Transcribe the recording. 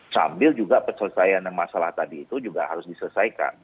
sambil juga penyelesaian masalah tadi itu juga harus diselesaikan